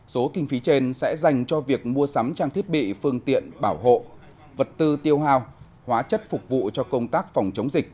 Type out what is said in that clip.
số kinh phí trên sẽ dành cho việc mua sắm trang thiết bị phương tiện bảo hộ vật tư tiêu hào hóa chất phục vụ cho công tác phòng chống dịch